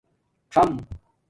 څم